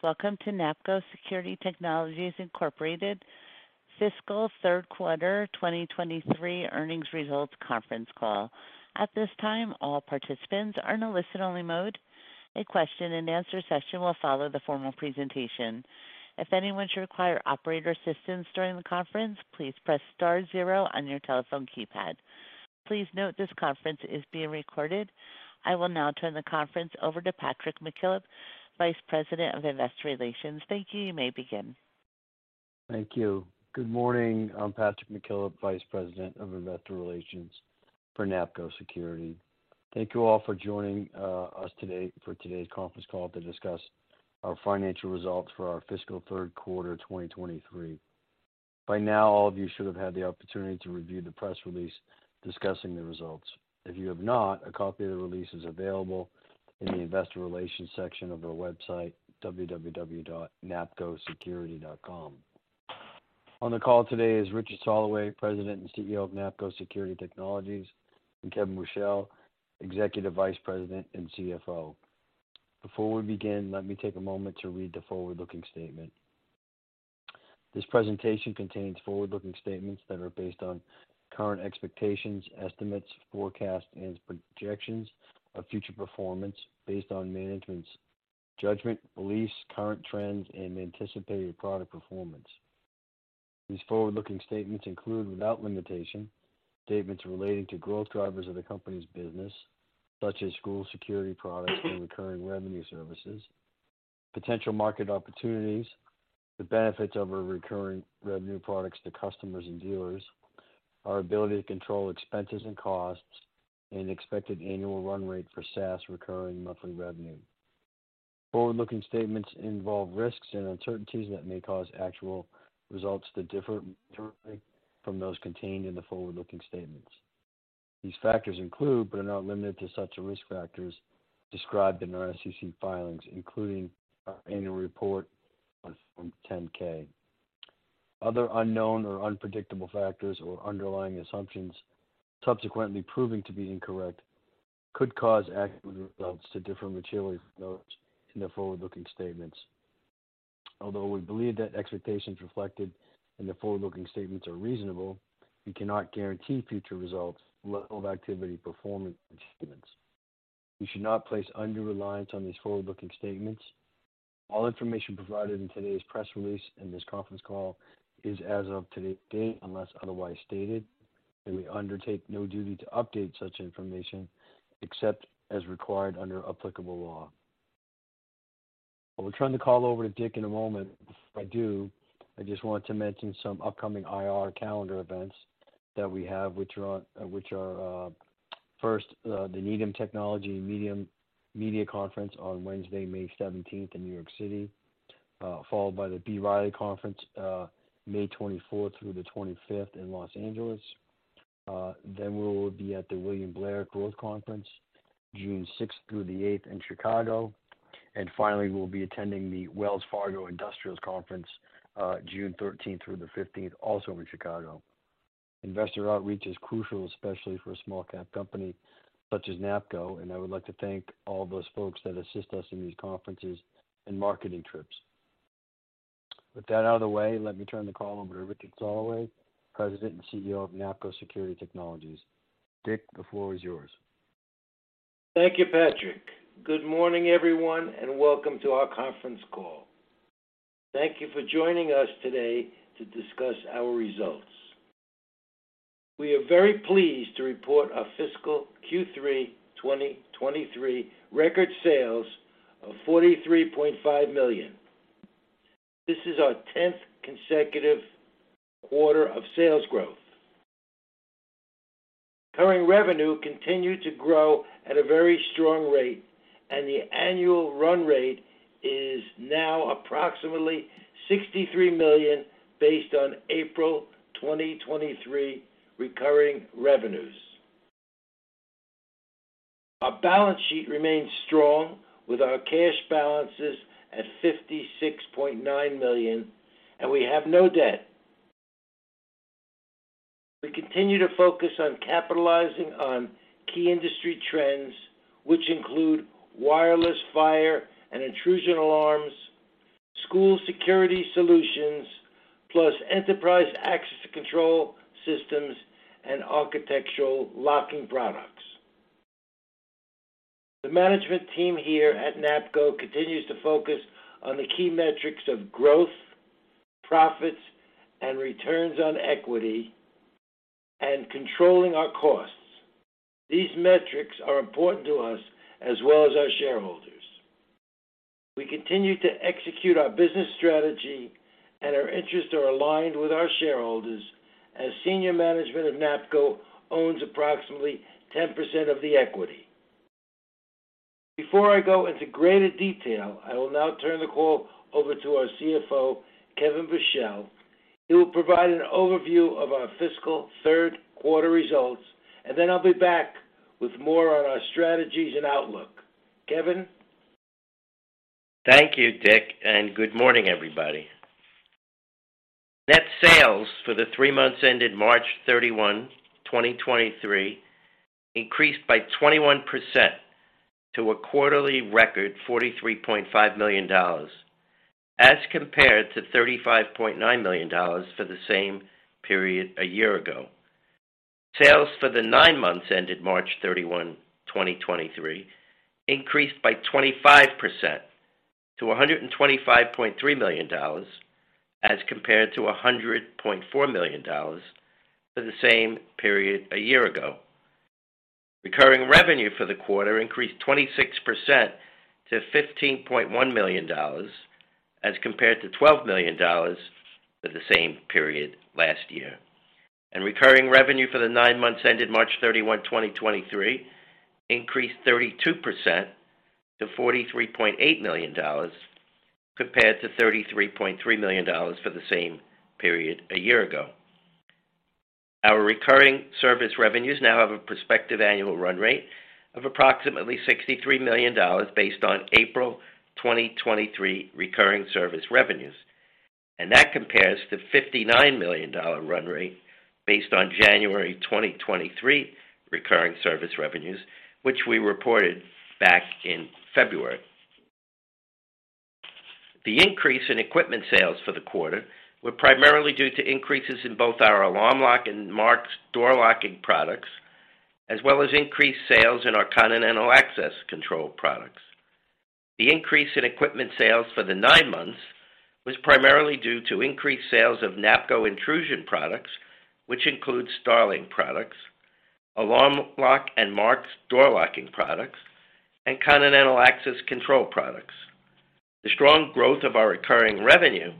Welcome to NAPCO Security Technologies, Inc. Fiscal Third Quarter 2023 Earnings Results Conference Call. At this time, all participants are in a listen-only mode. A question-and-answer session will follow the formal presentation. If anyone should require operator assistance during the conference, please press star zero on your telephone keypad. Please note this conference is being recorded. I will now turn the conference over to Patrick McKillop, Vice President of Investor Relations. Thank you. You may begin. Thank you. Good morning. I'm Patrick McKillop, Vice President of Investor Relations for NAPCO Security. Thank you all for joining us today for today's conference call to discuss our financial results for our fiscal third quarter 2023. By now, all of you should have had the opportunity to review the press release discussing the results. If you have not, a copy of the release is available in the investor relations section of our website, www.napcosecurity.com. On the call today is Richard Soloway, President and CEO of NAPCO Security Technologies, and Kevin Buchel, Executive Vice President and CFO. Before we begin, let me take a moment to read the forward-looking statement. This presentation contains forward-looking statements that are based on current expectations, estimates, forecasts, and projections of future performance based on management's judgment, beliefs, current trends, and anticipated product performance. These forward-looking statements include, without limitation, statements relating to growth drivers of the company's business, such as school security products and recurring revenue services, potential market opportunities, the benefits of our recurring revenue products to customers and dealers, our ability to control expenses and costs, and expected annual run rate for SaaS recurring monthly revenue. Forward-looking statements involve risks and uncertainties that may cause actual results to differ entirely from those contained in the forward-looking statements. These factors include, but are not limited to such risk factors described in our SEC filings, including our annual report on Form 10-K. Other unknown or unpredictable factors or underlying assumptions subsequently proving to be incorrect could cause accurate results to differ materially from those in the forward-looking statements. Although we believe that expectations reflected in the forward-looking statements are reasonable, we cannot guarantee future results level of activity, performance, and achievements. You should not place undue reliance on these forward-looking statements. All information provided in today's press release and this conference call is as of today, unless otherwise stated, and we undertake no duty to update such information except as required under applicable law. I will turn the call over to Rich in a moment. Before I do, I just want to mention some upcoming IR calendar events that we have, which are first, the Needham Technology & Media Conference on Wednesday, May 17th in New York City, followed by the B. Riley Conference, May 24th through 25th in Los Angeles. Then we will be at the William Blair Growth Conference June 6th through 8th in Chicago. Finally, we'll be attending the Wells Fargo Industrials Conference, June 13th through 15th, also in Chicago. Investor outreach is crucial, especially for a small-cap company such as NAPCO, and I would like to thank all those folks that assist us in these conferences and marketing trips. With that out of the way, let me turn the call over to Richard Soloway, President and CEO of NAPCO Security Technologies. Rich, the floor is yours. Thank you, Patrick. Good morning, everyone, and welcome to our conference call. Thank you for joining us today to discuss our results. We are very pleased to report our fiscal Q3 2023 record sales of $43.5 million. This is our tenth consecutive quarter of sales growth. Recurring revenue continued to grow at a very strong rate, and the annual run rate is now approximately $63 million based on April 2023 recurring revenues. Our balance sheet remains strong with our cash balances at $56.9 million, and we have no debt. We continue to focus on capitalizing on key industry trends, which include wireless fire and intrusion alarms, school security solutions, plus enterprise access control systems and architectural locking products. The management team here at NAPCO continues to focus on the key metrics of growth, profits, and returns on equity and controlling our costs. These metrics are important to us as well as our shareholders. We continue to execute our business strategy, and our interests are aligned with our shareholders as senior management of NAPCO owns approximately 10% of the equity. Before I go into greater detail, I will now turn the call over to our CFO, Kevin Buchel. He will provide an overview of our fiscal 3rd quarter results, and then I'll be back with more on our strategies and outlook. Kevin? Thank you, Rich, and good morning, everybody. Net sales for the three months ended March 31, 2023 increased by 21% to a quarterly record $43.5 million, as compared to $35.9 million for the same period a year ago. Sales for the nine months ended March 31, 2023 increased by 25% to $125.3 million, as compared to $100.4 million for the same period a year ago. Recurring revenue for the quarter increased 26% to $15.1 million, as compared to $12 million for the same period last year. Recurring revenue for the nine months ended March 31, 2023 increased 32% to $43.8 million, compared to $33.3 million for the same period a year ago. Our recurring service revenues now have a prospective annual run rate of approximately $63 million based on April 2023 recurring service revenues. That compares to $59 million run rate based on January 2023 recurring service revenues, which we reported back in February. The increase in equipment sales for the quarter were primarily due to increases in both our Alarm Lock and Marks door locking products, as well as increased sales in our Continental Access control products. The increase in equipment sales for the nine months was primarily due to increased sales of NAPCO intrusion products, which includes StarLink products, Alarm Lock, and Marks door locking products, and Continental Access control products. The strong growth of our recurring revenue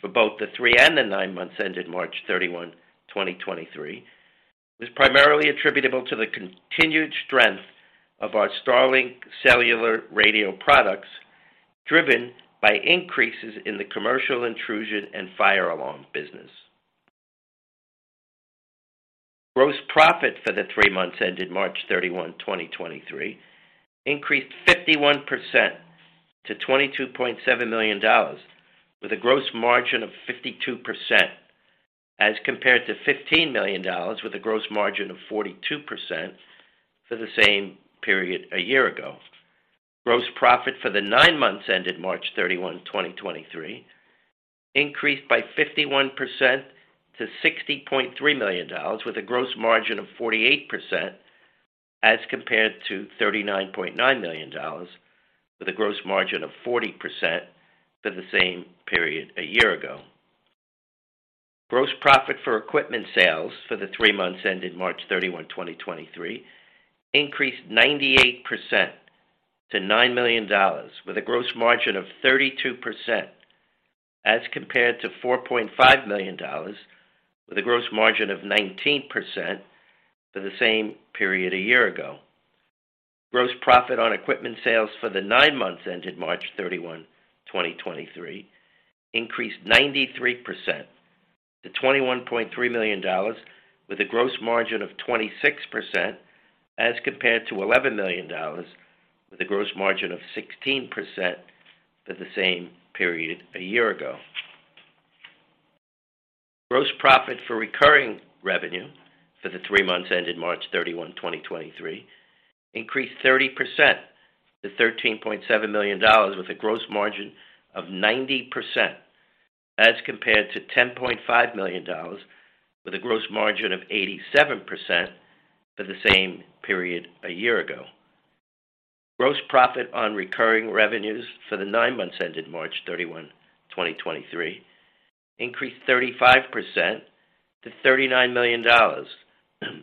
for both the three and the nine months ended March 31, 2023, was primarily attributable to the continued strength of our StarLink cellular radio products, driven by increases in the commercial intrusion and fire alarm business. Gross profit for the three months ended March 31, 2023 increased 51% to $22.7 million with a gross margin of 52%, as compared to $15 million with a gross margin of 42% for the same period a year ago. Gross profit for the nine months ended March 31, 2023 increased by 51% to $60.3 million with a gross margin of 48%, as compared to $39.9 million with a gross margin of 40% for the same period a year ago. Gross profit for equipment sales for the three months ended March 31, 2023 increased 98% to $9 million with a gross margin of 32%, as compared to $4.5 million with a gross margin of 19% for the same period a year ago. Gross profit on equipment sales for the nine months ended March 31, 2023 increased 93% to $21.3 million with a gross margin of 26%, as compared to $11 million with a gross margin of 16% for the same period a year ago. Gross profit for recurring revenue for the three months ended March 31, 2023 increased 30% to $13.7 million with a gross margin of 90%, as compared to $10.5 million with a gross margin of 87% for the same period a year ago. Gross profit on recurring revenues for the nine months ended March 31, 2023 increased 35% to $39 million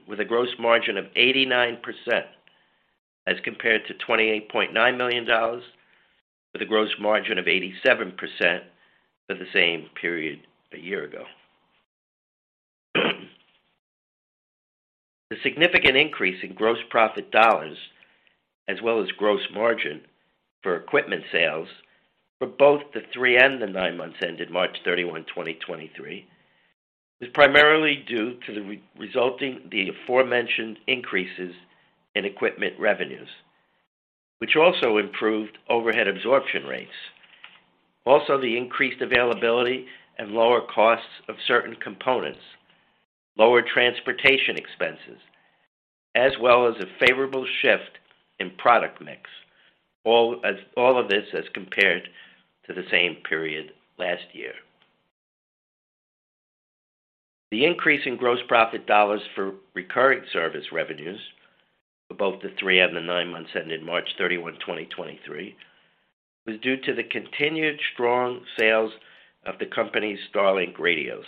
with a gross margin of 89%, as compared to $28.9 million with a gross margin of 87% for the same period a year ago. The significant increase in gross profit dollars, as well as gross margin for equipment sales for both the three and the nine months ended March 31, 2023, is primarily due to the re-resulting the aforementioned increases in equipment revenues, which also improved overhead absorption rates. Also, the increased availability and lower costs of certain components, lower transportation expenses, as well as a favorable shift in product mix, all of this as compared to the same period last year. The increase in gross profit dollars for recurring service revenues for both the three and the nine months ended March 31, 2023, was due to the continued strong sales of the company's StarLink radios.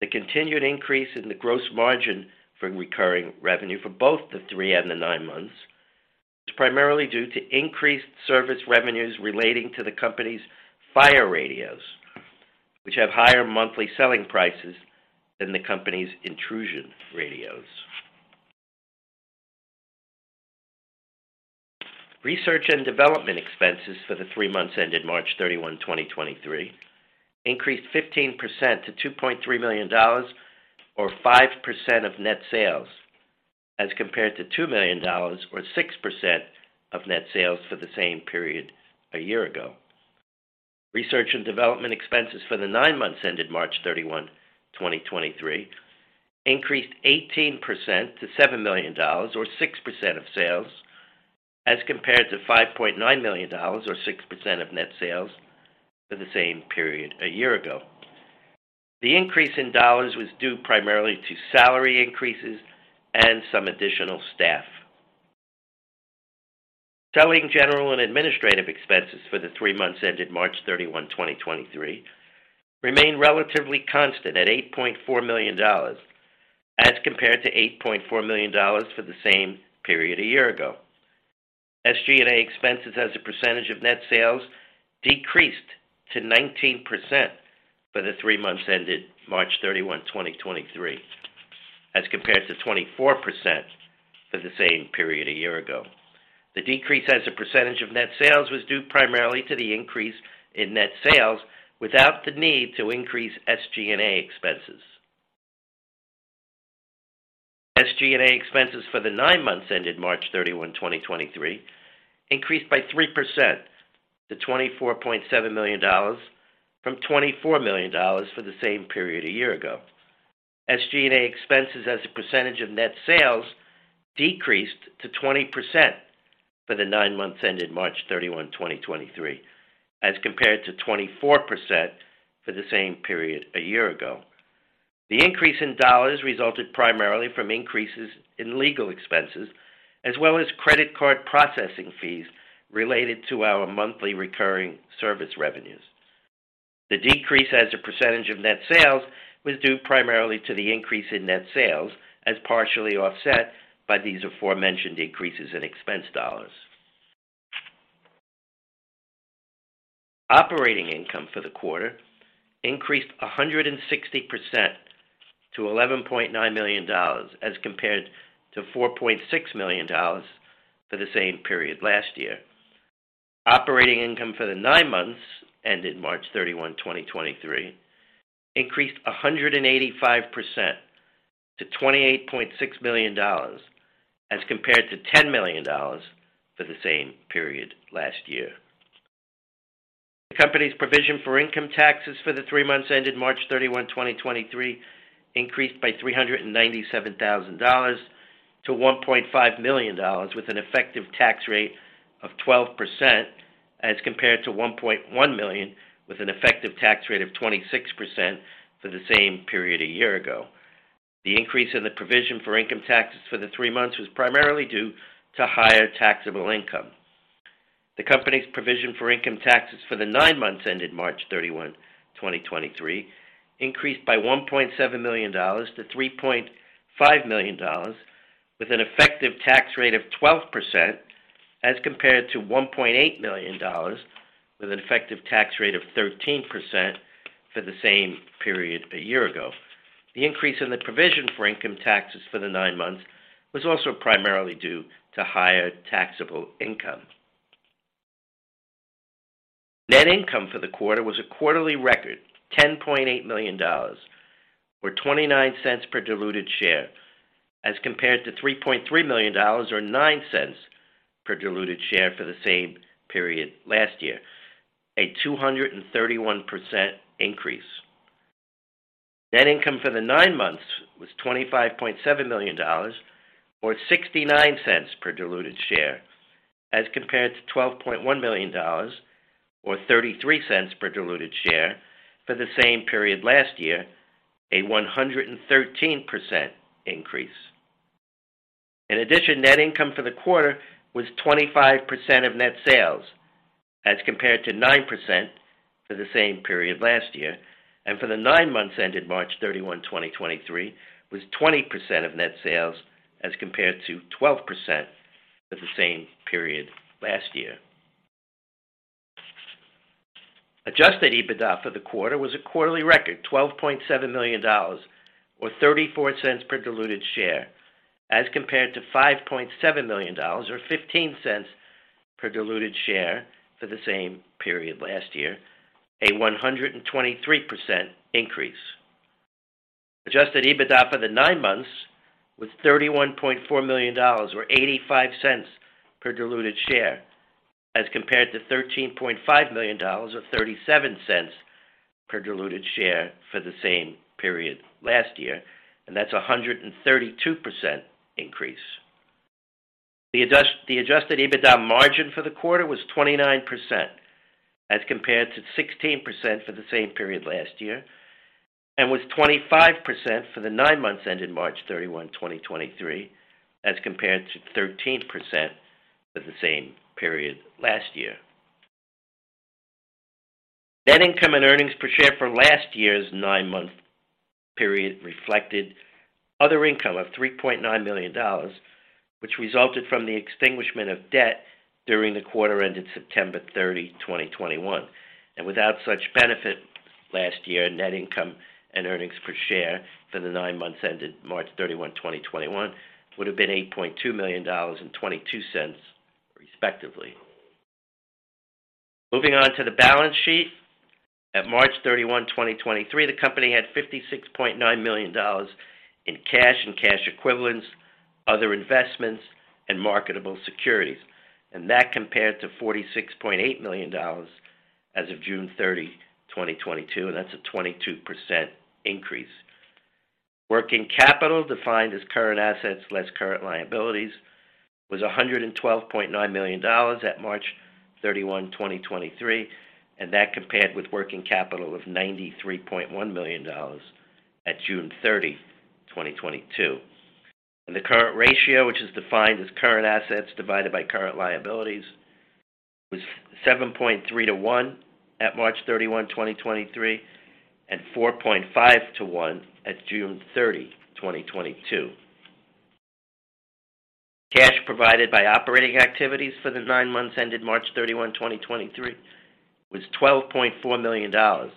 The continued increase in the gross margin for recurring revenue for both the three and the nine months is primarily due to increased service revenues relating to the company's fire radios, which have higher monthly selling prices than the company's intrusion radios. Research and development expenses for the three months ended March 31, 2023 increased 15% to $2.3 million or 5% of net sales. As compared to $2 million or 6% of net sales for the same period a year ago. Research and development expenses for the nine months ended March 31, 2023 increased 18% to $7 million or 6% of sales, as compared to $5.9 million or 6% of net sales for the same period a year ago. The increase in dollars was due primarily to salary increases and some additional staff. Selling, general, and administrative expenses for the three months ended March 31, 2023 remained relatively constant at $8.4 million as compared to $8.4 million for the same period a year ago. SG&A expenses as a percentage of net sales decreased to 19% for the three months ended March 31, 2023, as compared to 24% for the same period a year ago. The decrease as a percentage of net sales was due primarily to the increase in net sales without the need to increase SG&A expenses. SG&A expenses for the nine months ended March 31, 2023 increased by 3% to $24.7 million from $24 million for the same period a year ago. SG&A expenses as a percentage of net sales decreased to 20% for the nine months ended March 31, 2023, as compared to 24% for the same period a year ago. The increase in dollars resulted primarily from increases in legal expenses as well as credit card processing fees related to our monthly recurring service revenues. The decrease as a percentage of net sales was due primarily to the increase in net sales, as partially offset by these aforementioned increases in expense dollars. Operating income for the quarter increased 160% to $11.9 million, as compared to $4.6 million for the same period last year. Operating income for the nine months ended March 31, 2023 increased 185% to $28.6 million, as compared to $10 million for the same period last year. The company's provision for income taxes for the three months ended March 31, 2023 increased by $397,000 to $1.5 million with an effective tax rate of 12% as compared to $1.1 million with an effective tax rate of 26% for the same period a year ago. The increase in the provision for income taxes for the three months was primarily due to higher taxable income. The company's provision for income taxes for the nine months ended March 31, 2023 increased by $1.7 million to $3.5 million with an effective tax rate of 12% as compared to $1.8 million with an effective tax rate of 13% for the same period a year ago. The increase in the provision for income taxes for the nine months was also primarily due to higher taxable income. Net income for the quarter was a quarterly record, $10.8 million or $0.29 per diluted share, as compared to $3.3 million or $0.09 per diluted share for the same period last year, a 231% increase. Net income for the nine months was $25.7 million or $0.69 per diluted share as compared to $12.1 million or $0.33 per diluted share for the same period last year, a 113% increase. Net income for the quarter was 25% of net sales as compared to 9% for the same period last year, and for the 9 months ended March 31, 2023 was 20% of net sales as compared to 12% for the same period last year. Adjusted EBITDA for the quarter was a quarterly record, $12.7 million or $0.34 per diluted share, as compared to $5.7 million or $0.15 per diluted share for the same period last year, a 123% increase. Adjusted EBITDA for the 9 months was $31.4 million or $0.85 per diluted share as compared to $13.5 million or $0.37 per diluted share for the same period last year, that's a 132% increase. The adjusted EBITDA margin for the quarter was 29% as compared to 16% for the same period last year and was 25% for the 9 months ended March 31, 2023, as compared to 13% for the same period last year. Net income and earnings per share for last year's nine-month period reflected other income of $3.9 million, which resulted from the extinguishment of debt during the quarter ended September 30, 2021. Without such benefit last year, net income and earnings per share for the nine months ended March 31, 2021 would have been $8.2 million and $0.22, respectively. Moving on to the balance sheet. At March 31, 2023, the company had $56.9 million in cash and cash equivalents, other investments and marketable securities, and that compared to $46.8 million as of June 30, 2022, and that's a 22% increase. Working capital, defined as current assets less current liabilities, was $112.9 million at March 31, 2023, and that compared with working capital of $93.1 million at June 30, 2022. The current ratio, which is defined as current assets divided by current liabilities, was 7.3 to 1 at March 31, 2023, and 4.5 to 1 at June 30, 2022. Cash provided by operating activities for the nine months ended March 31, 2023 was $12.4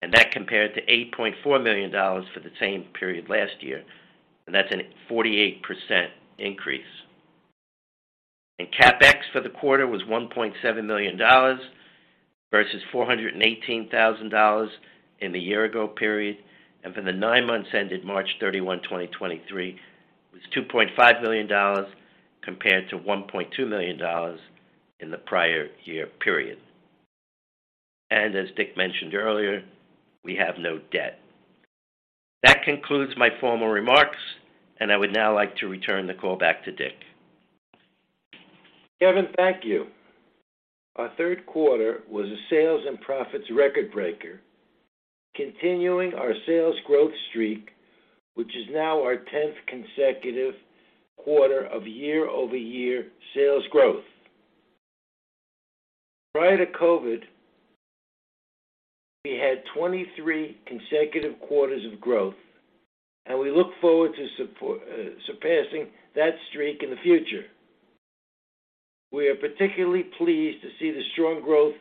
million. That compared to $8.4 million for the same period last year. That's a 48% increase. CapEx for the quarter was $1.7 million versus $418,000 in the year ago period. For the nine months ended March 31, 2023, it was $2.5 million compared to $1.2 million in the prior year period. As Rich mentioned earlier, we have no debt. That concludes my formal remarks, and I would now like to return the call back to Rich. Kevin, thank you. Our third quarter was a sales and profits record breaker, continuing our sales growth streak, which is now our 10th consecutive quarter of year-over-year sales growth. Prior to COVID, we had 23 consecutive quarters of growth, we look forward to surpassing that streak in the future. We are particularly pleased to see the strong growth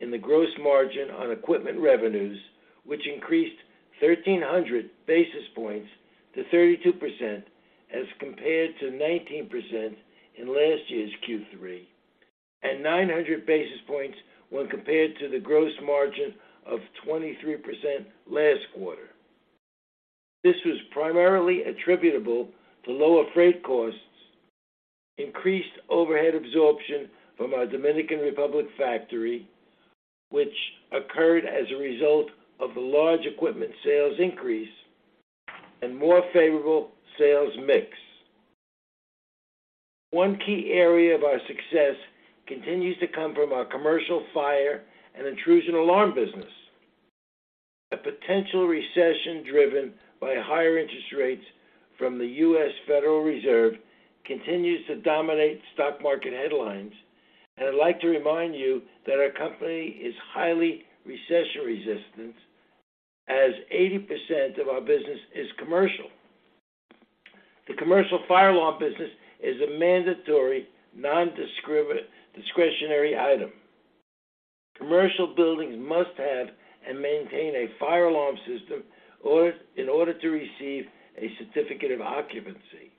in the gross margin on equipment revenues, which increased 1,300 basis points to 32% as compared to 19% in last year's Q3 and 900 basis points when compared to the gross margin of 23% last quarter. This was primarily attributable to lower freight costs, increased overhead absorption from our Dominican Republic factory, which occurred as a result of the large equipment sales increase and more favorable sales mix. One key area of our success continues to come from our commercial fire and intrusion alarm business. A potential recession driven by higher interest rates from the Federal Reserve continues to dominate stock market headlines, and I'd like to remind you that our company is highly recession resistant as 80% of our business is commercial. The commercial fire alarm business is a mandatory nondiscretionary item. Commercial buildings must have and maintain a fire alarm system in order to receive a certificate of occupancy.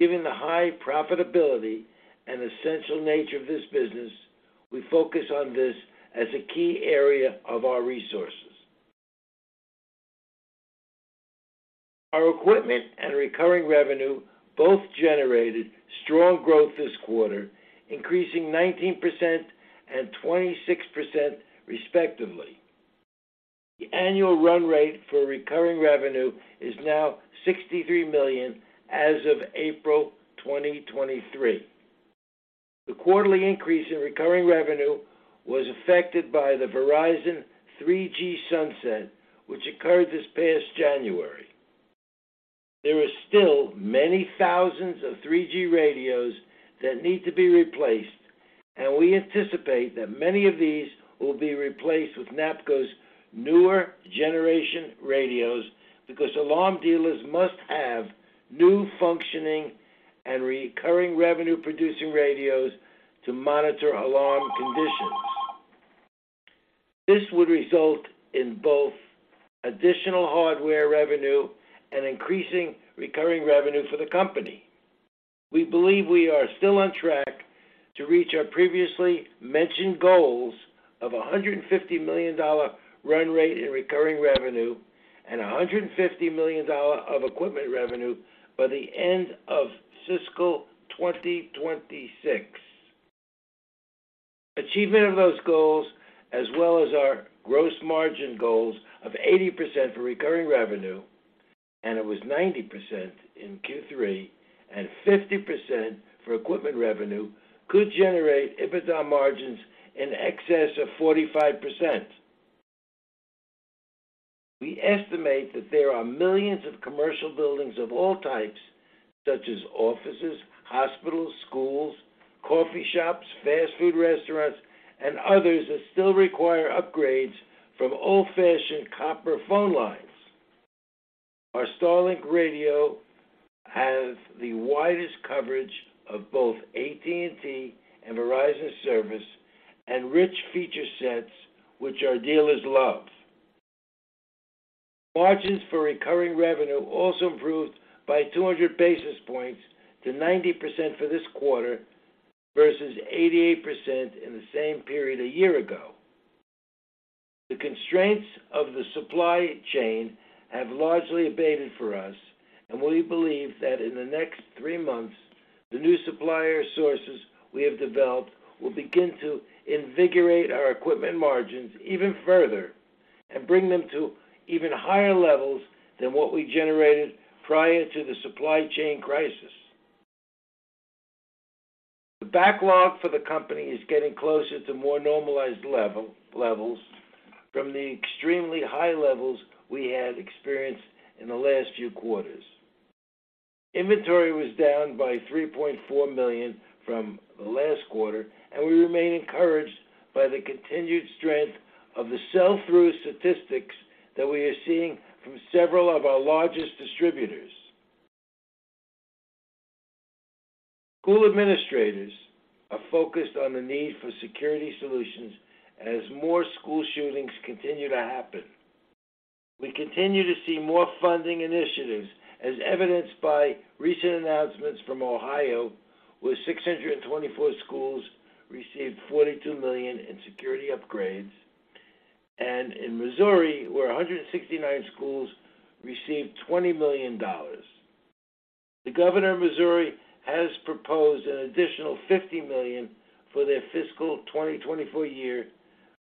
Given the high profitability and essential nature of this business, we focus on this as a key area of our resources. Our equipment and recurring revenue both generated strong growth this quarter, increasing 19% and 26% respectively. The annual run rate for recurring revenue is now $63 million as of April 2023. The quarterly increase in recurring revenue was affected by the Verizon 3G sunset, which occurred this past January. There are still many thousands of 3G radios that need to be replaced. We anticipate that many of these will be replaced with NAPCO's newer generation radios because alarm dealers must have new functioning and recurring revenue producing radios to monitor alarm conditions. This would result in both additional hardware revenue and increasing recurring revenue for the company. We believe we are still on track to reach our previously mentioned goals of a $150 million run rate in recurring revenue and $150 million of equipment revenue by the end of fiscal 2026. Achievement of those goals, as well as our gross margin goals of 80% for recurring revenue, and it was 90% in Q3 and 50% for equipment revenue could generate EBITDA margins in excess of 45%. We estimate that there are millions of commercial buildings of all types, such as offices, hospitals, schools, coffee shops, fast food restaurants, and others that still require upgrades from old-fashioned copper phone lines. Our StarLink radios have the widest coverage of both AT&T and Verizon service and rich feature sets which our dealers love. Margins for recurring revenue also improved by 200 basis points to 90% for this quarter versus 88% in the same period a year ago. The constraints of the supply chain have largely abated for us, and we believe that in the next three months, the new supplier sources we have developed will begin to invigorate our equipment margins even further and bring them to even higher levels than what we generated prior to the supply chain crisis. The backlog for the company is getting closer to more normalized levels from the extremely high levels we had experienced in the last few quarters. Inventory was down by $3.4 million from the last quarter. We remain encouraged by the continued strength of the sell-through statistics that we are seeing from several of our largest distributors. School administrators are focused on the need for security solutions as more school shootings continue to happen. We continue to see more funding initiatives as evidenced by recent announcements from Ohio, where 624 schools received $42 million in security upgrades. In Missouri, where 169 schools received $20 million. The governor of Missouri has proposed an additional $50 million for their fiscal 2024 year,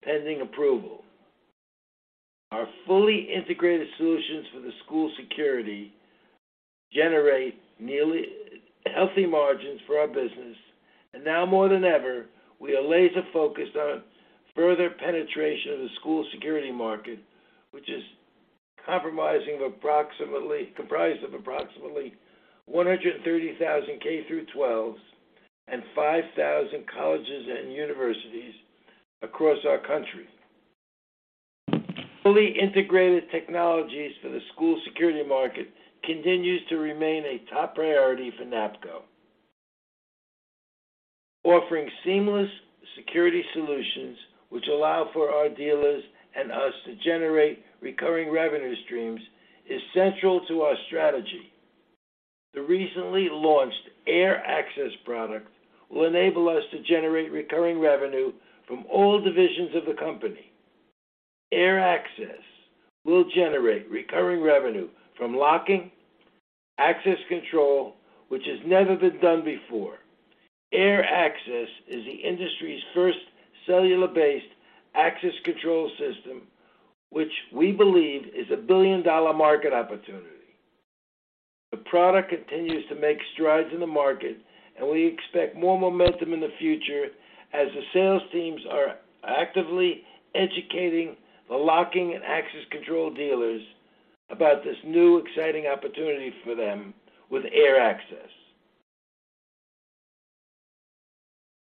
pending approval. Our fully integrated solutions for the school security generate nearly healthy margins for our business. Now more than ever, we are laser-focused on further penetration of the school security market, which is comprised of approximately 130,000 K-12s and 5,000 colleges and universities across our country. Fully integrated technologies for the school security market continues to remain a top priority for NAPCO. Offering seamless security solutions which allow for our dealers and us to generate recurring revenue streams is central to our strategy. The recently launched AirAccess product will enable us to generate recurring revenue from all divisions of the company. AirAccess will generate recurring revenue from locking, access control, which has never been done before. AirAccess is the industry's first cellular-based access control system, which we believe is a billion-dollar market opportunity. The product continues to make strides in the market. We expect more momentum in the future as the sales teams are actively educating the locking and access control dealers about this new exciting opportunity for them with AirAccess.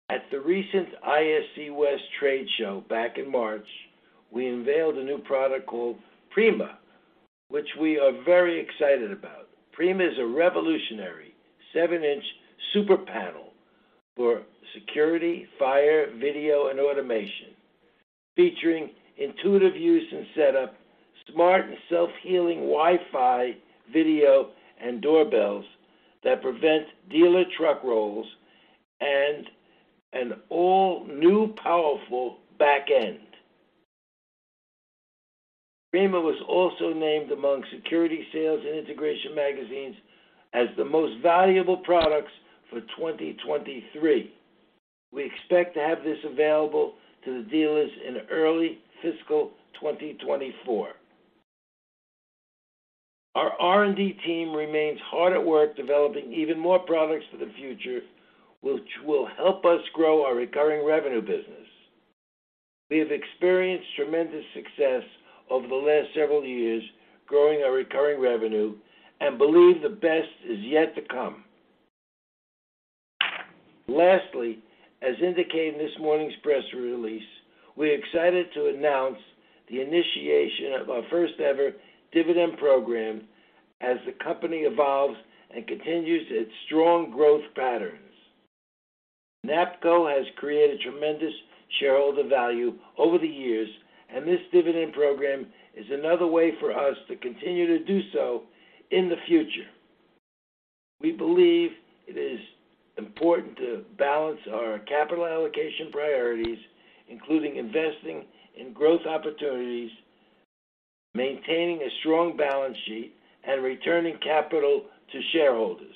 At the recent ISC West trade show back in March, we unveiled a new product called Prima, which we are very excited about. Prima is a revolutionary 7-inch super panel for security, fire, video, and automation, featuring intuitive use and setup, smart and self-healing Wi-Fi, video, and doorbells that prevent dealer truck rolls, and an all-new powerful back end. Prima was also named among Security Sales & Integration Magazine as the most valuable products for 2023. We expect to have this available to the dealers in early fiscal 2024. Our R&D team remains hard at work developing even more products for the future, which will help us grow our recurring revenue business. We have experienced tremendous success over the last several years growing our recurring revenue and believe the best is yet to come. As indicated in this morning's press release, we're excited to announce the initiation of our first-ever dividend program as the company evolves and continues its strong growth patterns. NAPCO has created tremendous shareholder value over the years, this dividend program is another way for us to continue to do so in the future. We believe it is important to balance our capital allocation priorities, including investing in growth opportunities, maintaining a strong balance sheet, and returning capital to shareholders.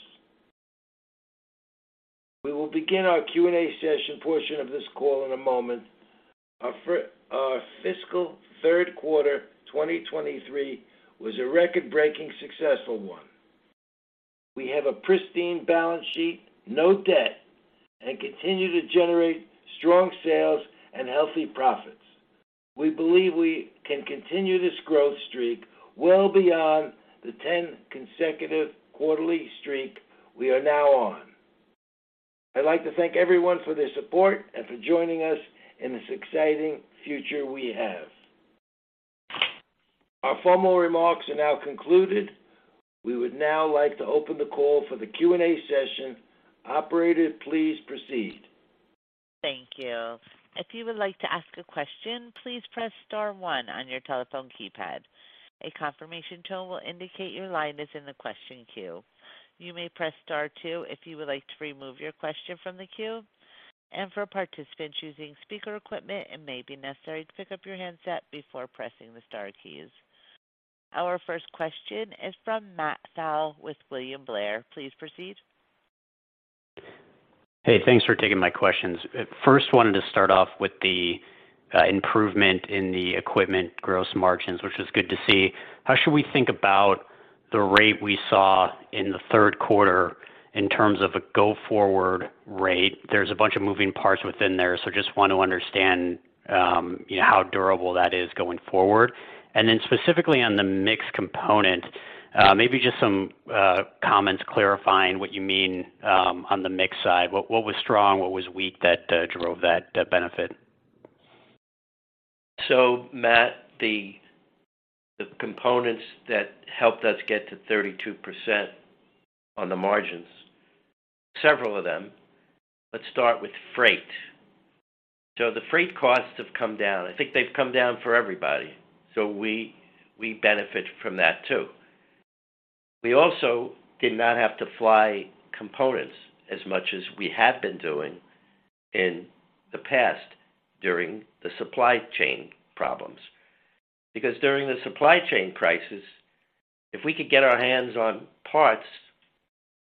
We will begin our Q&A session portion of this call in a moment. Our fiscal third quarter 2023 was a record-breaking successful one. We have a pristine balance sheet, no debt, and continue to generate strong sales and healthy profits. We believe we can continue this growth streak well beyond the 10 consecutive quarterly streak we are now on. I'd like to thank everyone for their support and for joining us in this exciting future we have. Our formal remarks are now concluded. We would now like to open the call for the Q&A session. Operator, please proceed. Thank you. If you would like to ask a question, please press star one on your telephone keypad. A confirmation tone will indicate your line is in the question queue. You may press star two if you would like to remove your question from the queue. For participants using speaker equipment, it may be necessary to pick up your handset before pressing the star keys. Our first question is from Matt Pfau with William Blair. Please proceed. Hey, thanks for taking my questions. First, wanted to start off with the improvement in the equipment gross margins, which is good to see. How should we think about the rate we saw in the third quarter in terms of a go-forward rate? There's a bunch of moving parts within there, so just want to understand, you know, how durable that is going forward. Specifically on the mix component, maybe just some comments clarifying what you mean on the mix side. What was strong, what was weak that drove that benefit? Matt, the components that helped us get to 32% on the margins, several of them. Let's start with freight. The freight costs have come down. I think they've come down for everybody, so we benefit from that too. We also did not have to fly components as much as we had been doing in the past during the supply chain problems. Because during the supply chain crisis, if we could get our hands on parts,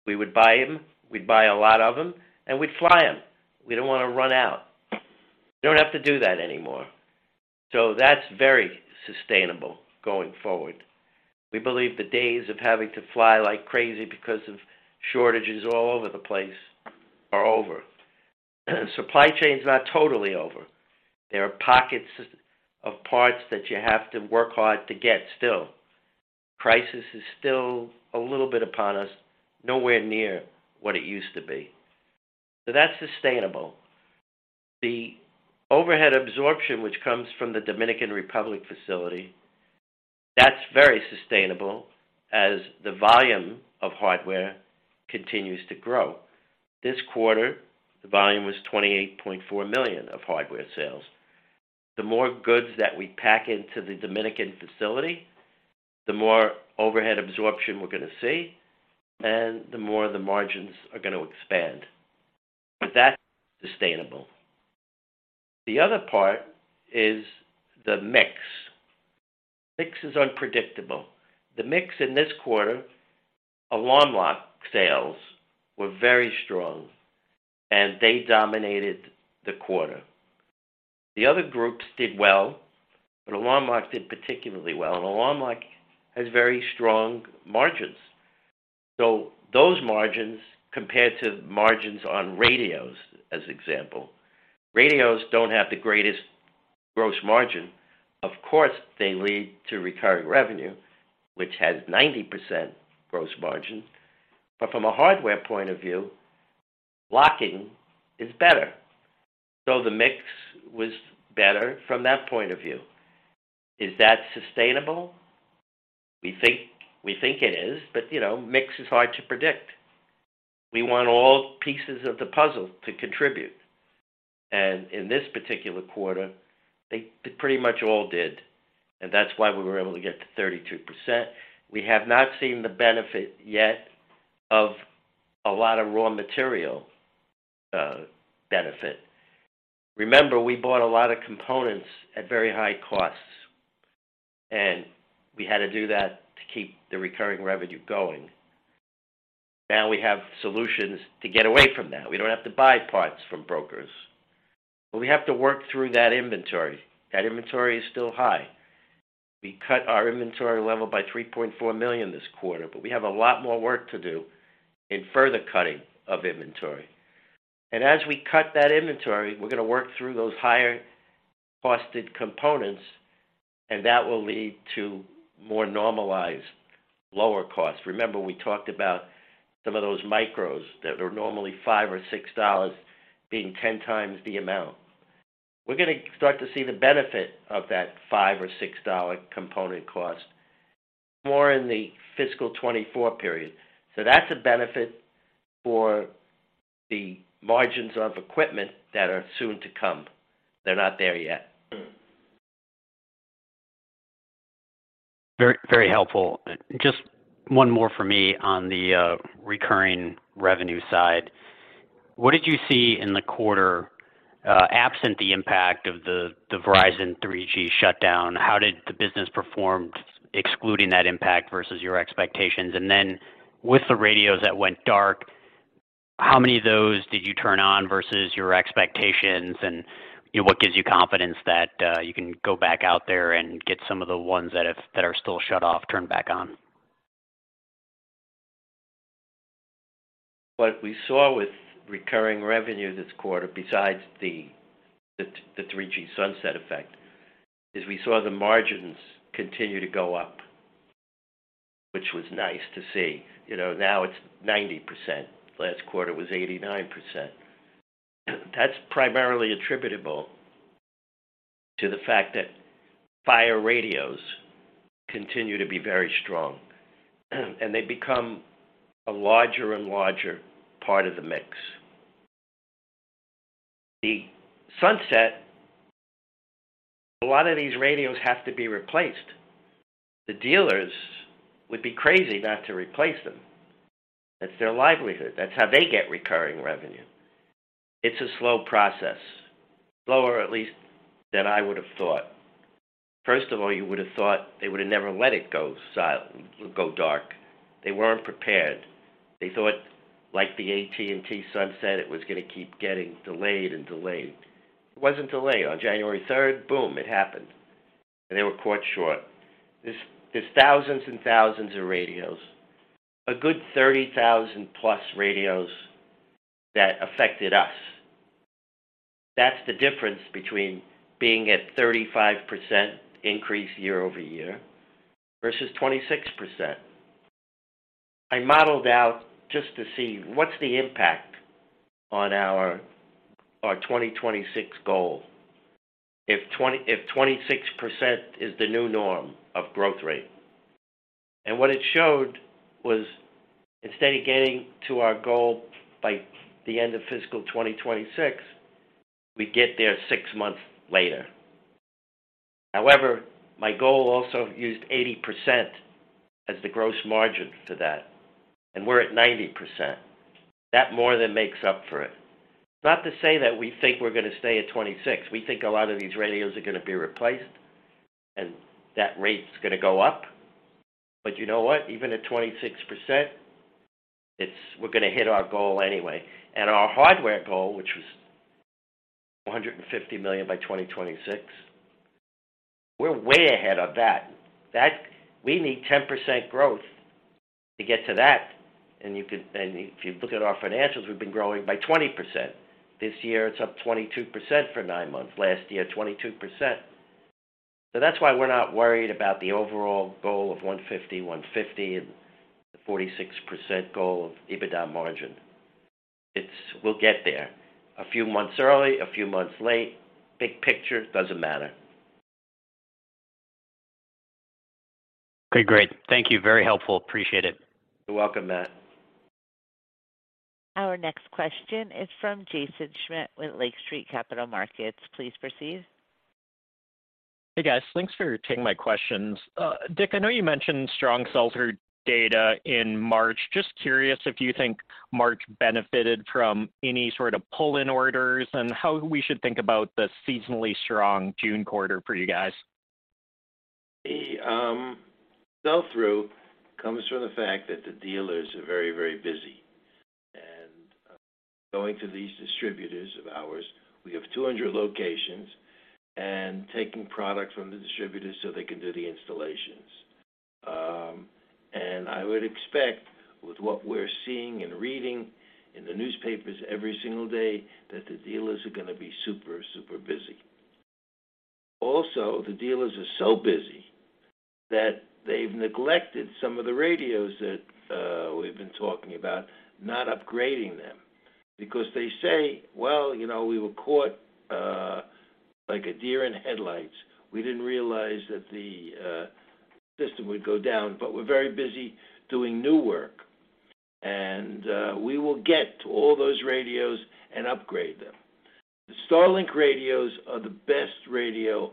we would buy them, we'd buy a lot of them, and we'd fly them. We didn't want to run out. We don't have to do that anymore. That's very sustainable going forward. We believe the days of having to fly like crazy because of shortages all over the place are over. Supply chain is not totally over. There are pockets of parts that you have to work hard to get still. Crisis is still a little bit upon us, nowhere near what it used to be. That's sustainable. The overhead absorption, which comes from the Dominican Republic facility, that's very sustainable as the volume of hardware continues to grow. This quarter, the volume was $28.4 million of hardware sales. The more goods that we pack into the Dominican facility, the more overhead absorption we're going to see, and the more the margins are going to expand. That's sustainable. The other part is the mix. Mix is unpredictable. The mix in this quarter, Alarm Lock sales were very strong, and they dominated the quarter. The other groups did well, but Alarm Lock did particularly well. Alarm Lock has very strong margins. Those margins compared to margins on radios as example. Radios don't have the greatest gross margin. Of course, they lead to recurring revenue, which has 90% gross margin. From a hardware point of view, locking is better. The mix was better from that point of view. Is that sustainable? We think it is, but you know, mix is hard to predict. We want all pieces of the puzzle to contribute. In this particular quarter, they pretty much all did, and that's why we were able to get to 32%. We have not seen the benefit yet of a lot of raw material benefit. Remember, we bought a lot of components at very high costs, and we had to do that to keep the recurring revenue going. Now we have solutions to get away from that. We don't have to buy parts from brokers. We have to work through that inventory. That inventory is still high. We cut our inventory level by $3.4 million this quarter, but we have a lot more work to do in further cutting of inventory. As we cut that inventory, we're going to work through those higher-costed components, and that will lead to more normalized lower costs. Remember, we talked about some of those micros that are normally $5 or $6 being 10 times the amount. We're going to start to see the benefit of that $5 or $6 component cost more in the fiscal 2024 period. That's a benefit for the margins of equipment that are soon to come. They're not there yet. Very, very helpful. Just one more for me on the recurring revenue side. What did you see in the quarter absent the impact of the Verizon 3G shutdown? How did the business perform excluding that impact versus your expectations? With the radios that went dark, how many of those did you turn on versus your expectations? you know, what gives you confidence that you can go back out there and get some of the ones that are still shut off, turned back on? What we saw with recurring revenue this quarter, besides the 3G sunset effect, is we saw the margins continue to go up, which was nice to see. You know, now it's 90%. Last quarter was 89%. That's primarily attributable. To the fact that fire radios continue to be very strong, and they become a larger and larger part of the mix. The sunset. A lot of these radios have to be replaced. The dealers would be crazy not to replace them. That's their livelihood. That's how they get recurring revenue. It's a slow process. Slower, at least, than I would have thought. First of all, you would have thought they would have never let it go dark. They weren't prepared. They thought, like the AT&T sunset, it was gonna keep getting delayed and delayed. It wasn't delayed. On January 3rd, boom, it happened, and they were caught short. There's thousands and thousands of radios, a good 30,000+ radios that affected us. That's the difference between being at 35% increase year-over-year versus 26%. I modeled out just to see what's the impact on our 2026 goal if 26% is the new norm of growth rate. What it showed was instead of getting to our goal by the end of fiscal 2026, we get there six months later. However, my goal also used 80% as the gross margin for that, and we're at 90%. That more than makes up for it. Not to say that we think we're gonna stay at 26. We think a lot of these radios are gonna be replaced, and that rate's gonna go up. You know what? Even at 26%, we're gonna hit our goal anyway. Our hardware goal, which was $150 million by 2026, we're way ahead of that. That, we need 10% growth to get to that, and if you look at our financials, we've been growing by 20%. This year, it's up 22% for nine months. Last year, 22%. That's why we're not worried about the overall goal of $150, $150, and 46% goal of EBITDA margin. It's we'll get there a few months early, a few months late. Big picture, doesn't matter. Okay, great. Thank you. Very helpful. Appreciate it. You're welcome, Matt. Our next question is from Jaeson Schmidt with Lake Street Capital Markets. Please proceed. Hey, guys. Thanks for taking my questions. Rich, I know you mentioned strong sell-through data in March. Just curious if you think March benefited from any sort of pull-in orders and how we should think about the seasonally strong June quarter for you guys? The sell-through comes from the fact that the dealers are very busy. Going to these distributors of ours, we have 200 locations, and taking product from the distributors so they can do the installations. I would expect with what we're seeing and reading in the newspapers every single day, that the dealers are going to be super busy. Also, the dealers are so busy that they've neglected some of the radios that we've been talking about, not upgrading them because they say, "Well, you know, we were caught like a deer in headlights. We didn't realize that the system would go down, but we're very busy doing new work. We will get to all those radios and upgrade them. The StarLink radios are the best radio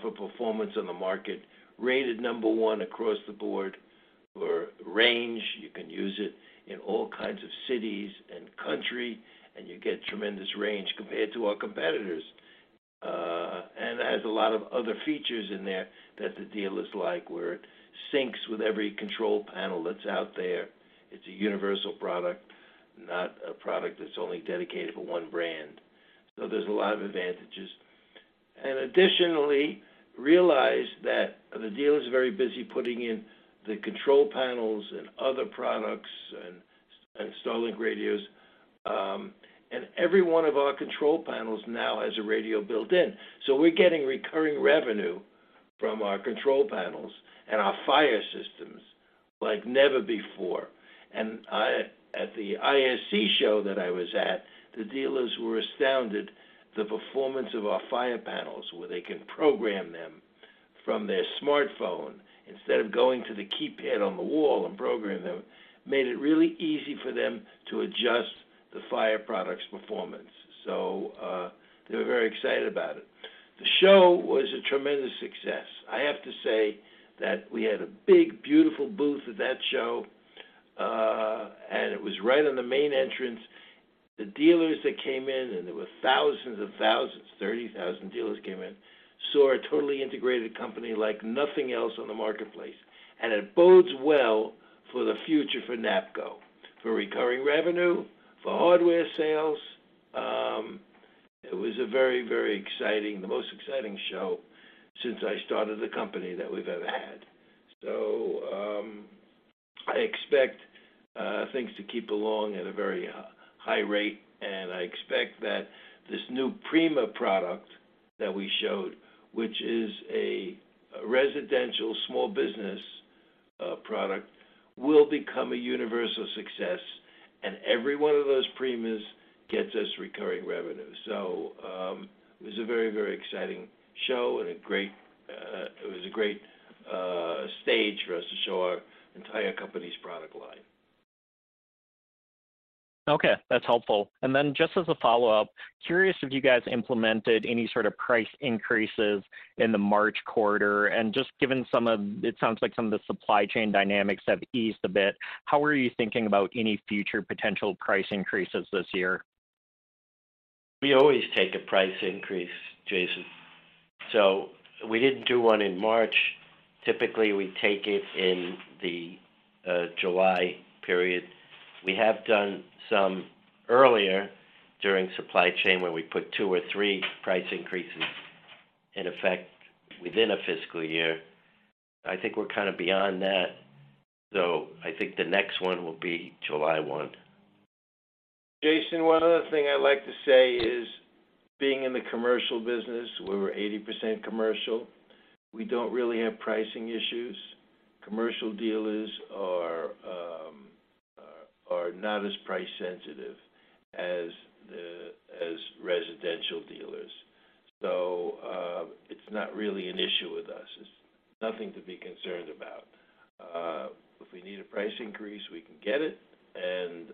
for performance on the market, rated number one across the board for range. You can use it in all kinds of cities and country, and you get tremendous range compared to our competitors. It has a lot of other features in there that the dealers like, where it syncs with every control panel that's out there. It's a universal product, not a product that's only dedicated for one brand. There's a lot of advantages. Additionally, realize that the dealer is very busy putting in the control panels and other products and StarLink radios. Every one of our control panels now has a radio built in. We're getting recurring revenue from our control panels and our fire systems like never before. at the ISC show that I was at, the dealers were astounded the performance of our fire panels, where they can program them from their smartphone instead of going to the keypad on the wall and program them, made it really easy for them to adjust the fire product's performance. They were very excited about it. The show was a tremendous success. I have to say that we had a big, beautiful booth at that show, and it was right on the main entrance. The dealers that came in, and there were thousands and thousands, 30,000 dealers came in, saw a totally integrated company like nothing else on the marketplace. It bodes well for the future for NAPCO, for recurring revenue, for hardware sales. It was a very, very exciting, the most exciting show since I started the company that we've ever had. I expect things to keep along at a very high rate, and I expect that this new Prima product that we showed, which is a residential small business product will become a universal success. Every one of those Prima gets us recurring revenue. It was a very, very exciting show and a great. It was a great stage for us to show our entire company's product line. Okay. That's helpful. Then just as a follow-up, curious if you guys implemented any sort of price increases in the March quarter. Just given it sounds like some of the supply chain dynamics have eased a bit, how are you thinking about any future potential price increases this year? We always take a price increase, Jaeson. We didn't do one in March. Typically, we take it in the July period. We have done some earlier during supply chain, where we put 2 or 3 price increases in effect within a fiscal year. I think we're kind of beyond that, I think the next one will be July 1. Jaeson, one other thing I'd like to say is, being in the commercial business, we're 80% commercial, we don't really have pricing issues. Commercial dealers are not as price sensitive as the residential dealers. It's not really an issue with us. It's nothing to be concerned about. If we need a price increase, we can get it, and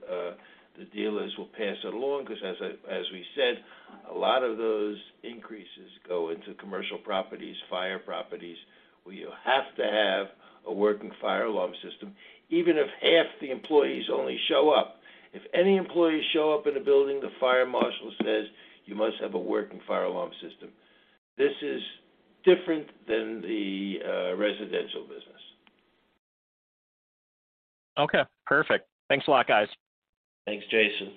the dealers will pass it along, 'cause as we said, a lot of those increases go into commercial properties, fire properties, where you have to have a working fire alarm system. Even if half the employees only show up, if any employees show up in a building, the fire marshal says, "You must have a working fire alarm system." This is different than the residential business. Okay. Perfect. Thanks a lot, guys. Thanks, Jaeson.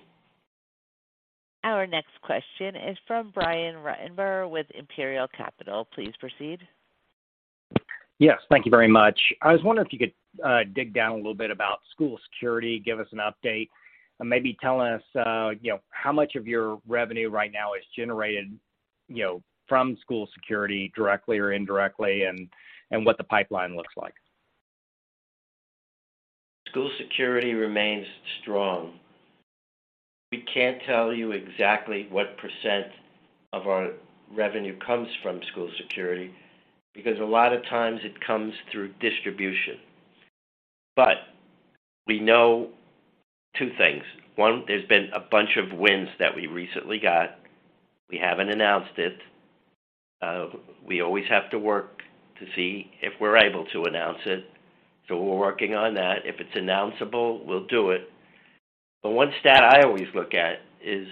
Our next question is from Brian Ruttenbur with Imperial Capital. Please proceed. Yes. Thank you very much. I was wondering if you could dig down a little bit about school security, give us an update, and maybe tell us, you know, how much of your revenue right now is generated, you know, from school security directly or indirectly, and what the pipeline looks like? School security remains strong. We can't tell you exactly what percent of our revenue comes from school security, because a lot of times it comes through distribution. We know two things. One, there's been a bunch of wins that we recently got. We haven't announced it. We always have to work to see if we're able to announce it, so we're working on that. If it's announceable, we'll do it. One stat I always look at is,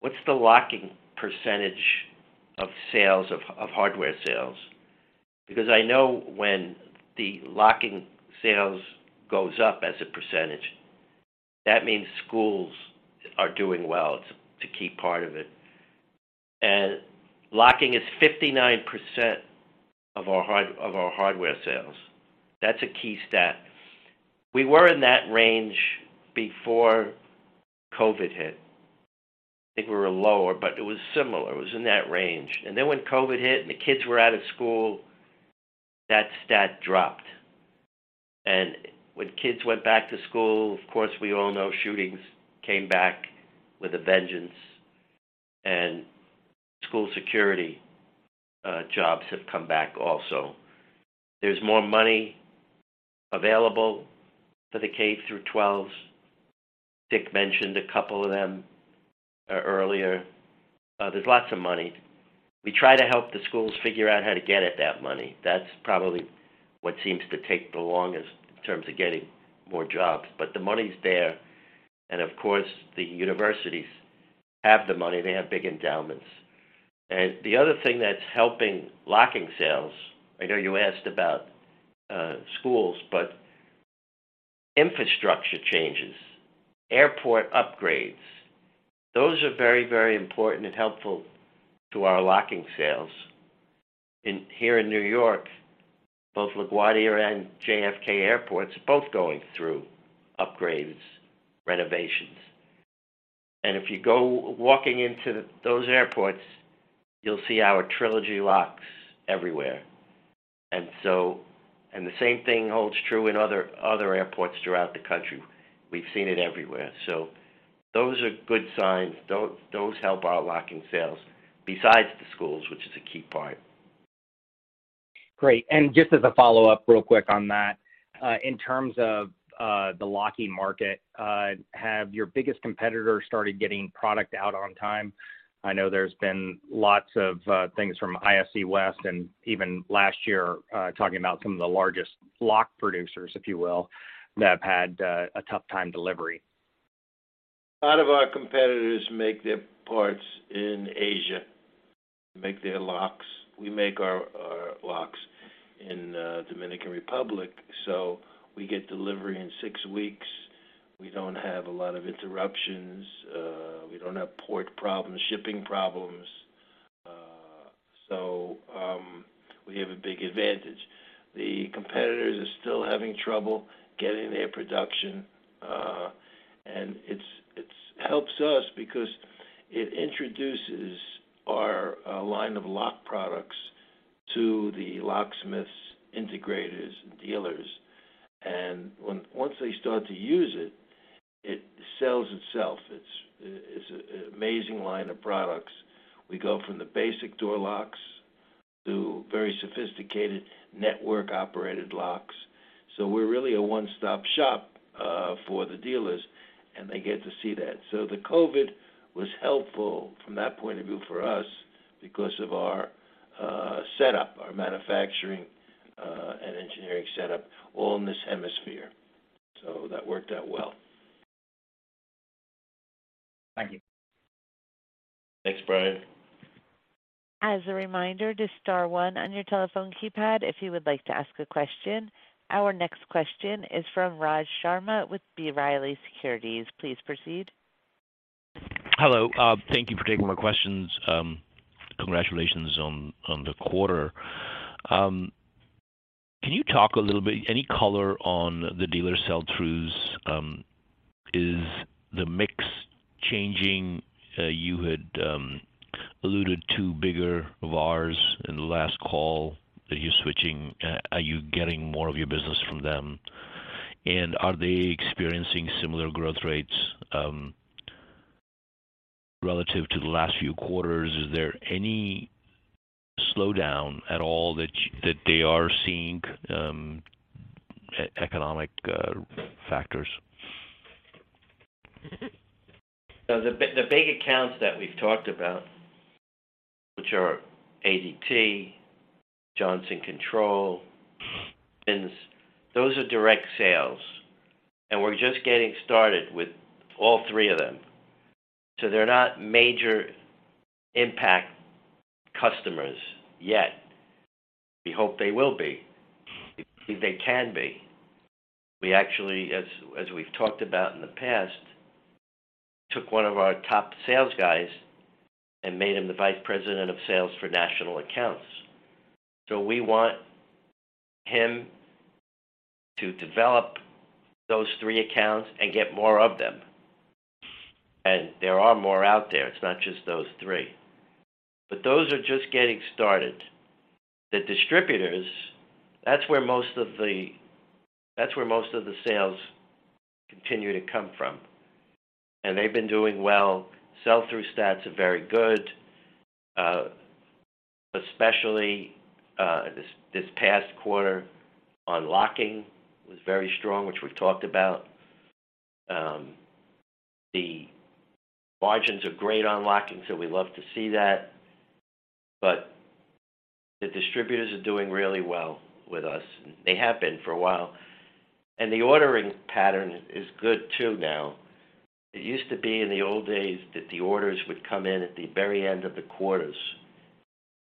what's the locking percentage of sales of hardware sales? Because I know when the locking sales goes up as a percentage, that means schools are doing well. It's a key part of it. And locking is 59% of our hardware sales. That's a key stat. We were in that range before COVID hit. I think we were lower, but it was similar. It was in that range. Then when COVID hit and the kids were out of school, that stat dropped. When kids went back to school, of course, we all know shootings came back with a vengeance, and school security jobs have come back also. There's more money available for the K-12s. Richard Soloway mentioned a couple of them earlier. There's lots of money. We try to help the schools figure out how to get at that money. That's probably what seems to take the longest in terms of getting more jobs, but the money's there. Of course, the universities have the money. They have big endowments. The other thing that's helping locking sales, I know you asked about schools, but infrastructure changes, airport upgrades, those are very, very important and helpful to our locking sales. Here in New York, both LaGuardia and JFK Airports are both going through upgrades, renovations. If you go walking into those airports, you'll see our Trilogy locks everywhere. The same thing holds true in other airports throughout the country. We've seen it everywhere. Those are good signs. Those help our locking sales besides the schools, which is a key part. Great. Just as a follow-up real quick on that, in terms of the locking market, have your biggest competitors started getting product out on time? I know there's been lots of things from ISC West and even last year, talking about some of the largest lock producers, if you will, that have had a tough time delivering. A lot of our competitors make their parts in Asia, make their locks. We make our locks in Dominican Republic, so we get delivery in six weeks. We don't have a lot of interruptions. We don't have port problems, shipping problems. We have a big advantage. The competitors are still having trouble getting their production, and it helps us because it introduces our line of lock products to the locksmiths, integrators, and dealers. Once they start to use it sells itself. It's an amazing line of products. We go from the basic door locks to very sophisticated network-operated locks. We're really a one-stop shop for the dealers, and they get to see that. The COVID was helpful from that point of view for us because of our setup, our manufacturing and engineering setup all in this hemisphere. That worked out well. Thank you. Thanks, Brian. As a reminder, just star one on your telephone keypad if you would like to ask a question. Our next question is from Raj Sharma with B. Riley Securities. Please proceed. Hello. Thank you for taking my questions. Congratulations on the quarter. Can you talk a little bit? Any color on the dealer sell-throughs? Is the mix changing? You had alluded to bigger VARs in the last call. Are you switching? Are you getting more of your business from them? Are they experiencing similar growth rates relative to the last few quarters? Is there any slowdown at all that they are seeing, economic factors? The big accounts that we've talked about, which are ADT, Johnson Controls, those are direct sales. We're just getting started with all 3 of them. They're not major impact customers yet. We hope they will be. We believe they can be. We actually, as we've talked about in the past, took 1 of our top sales guys and made him the Vice President of Sales for National Accounts. We want him to develop those 3 accounts and get more of them. There are more out there, it's not just those 3. Those are just getting started. The distributors, that's where most of the sales continue to come from. They've been doing well. Sell-through stats are very good, especially this past quarter on locking was very strong, which we've talked about. The margins are great on locking, so we love to see that. The distributors are doing really well with us. They have been for a while. The ordering pattern is good too now. It used to be in the old days that the orders would come in at the very end of the quarters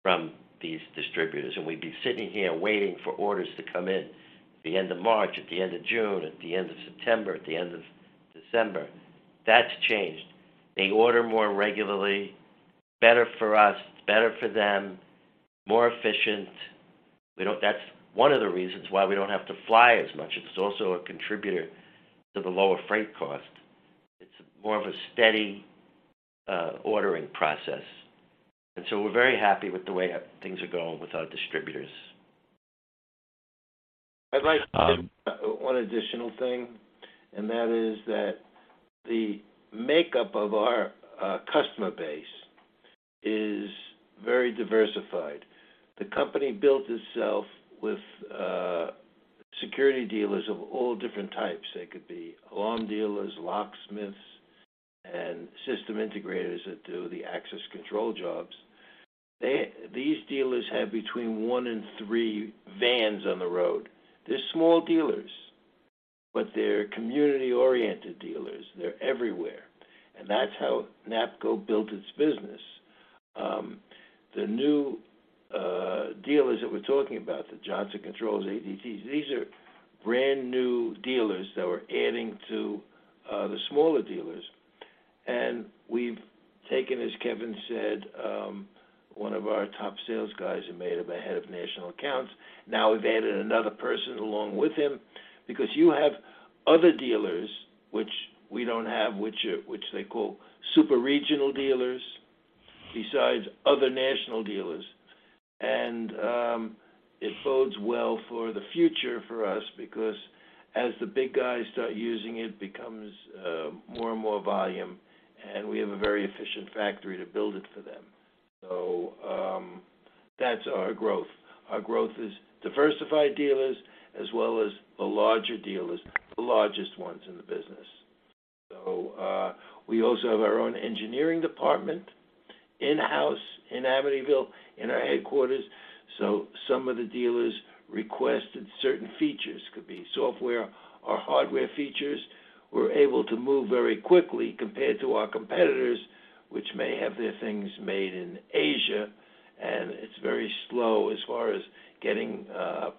from these distributors, and we'd be sitting here waiting for orders to come in at the end of March, at the end of June, at the end of September, at the end of December. That's changed. They order more regularly, better for us, better for them, more efficient. That's one of the reasons why we don't have to fly as much. It's also a contributor to the lower freight cost. It's more of a steady ordering process. We're very happy with the way things are going with our distributors. I'd like to add one additional thing. The makeup of our customer base is very diversified. The company built itself with security dealers of all different types. They could be alarm dealers, locksmiths, and system integrators that do the access control jobs. These dealers have between 1 and 3 vans on the road. They're small dealers, but they're community-oriented dealers. They're everywhere. That's how NAPCO built its business. The new dealers that we're talking about, the Johnson Controls, ADTs, these are brand new dealers that we're adding to the smaller dealers. We've taken, as Kevin said, 1 of our top sales guys and made him the head of national accounts. We've added another person along with him because you have other dealers which they call super regional dealers besides other national dealers. It bodes well for the future for us because as the big guys start using, it becomes more and more volume, and we have a very efficient factory to build it for them. That's our growth. Our growth is diversified dealers as well as the larger dealers, the largest ones in the business. We also have our own engineering department in-house in Amityville in our headquarters, so some of the dealers request certain features. Could be software or hardware features. We're able to move very quickly compared to our competitors, which may have their things made in Asia, and it's very slow as far as getting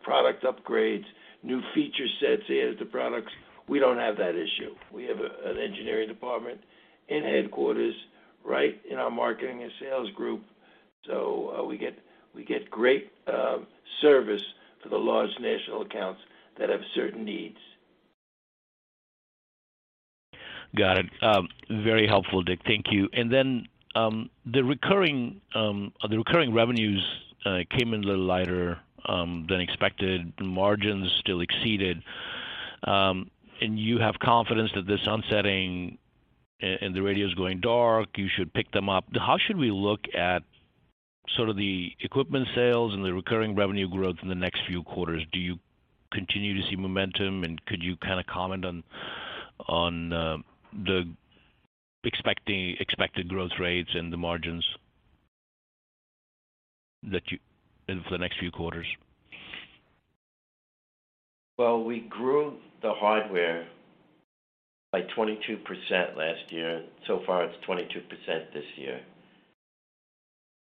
product upgrades, new feature sets into the products. We don't have that issue. We have an engineering department in headquarters right in our marketing and sales group. We get great service for the large national accounts that have certain needs. Got it. Very helpful, Rich. Thank you. The recurring revenues came in a little lighter than expected. Margins still exceeded. You have confidence that this onsetting and the radios going dark, you should pick them up. How should we look at sort of the equipment sales and the recurring revenue growth in the next few quarters? Do you continue to see momentum? Could you kinda comment on the expected growth rates and the margins in the next few quarters? Well, we grew the hardware by 22% last year. So far, it's 22% this year.